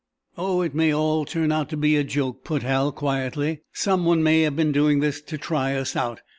"Oh, it may all turn out to be a joke," put Hal, quietly. "Some one may have been doing this to try us out.